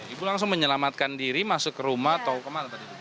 ibu langsung menyelamatkan diri masuk ke rumah atau kemana tadi